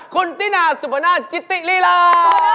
คุณติตินาศุภนาจิตติลิรา